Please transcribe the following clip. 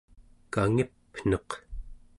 kangipneq